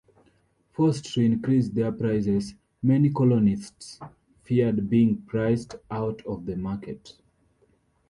Forced to increase their prices, many colonists feared being priced out of the market.